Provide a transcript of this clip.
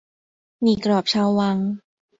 หมี่กรอบชาววัง